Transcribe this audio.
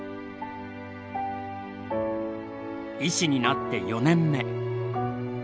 医師になって４年目。